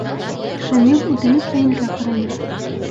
Шамил үтенеп Фәнилгә ҡараны: